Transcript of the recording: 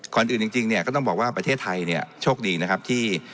ก่อนอื่นจริงเนี่ยก็ต้องบอกว่าประเทศไทยเนี่ยโชคดีนะครับที่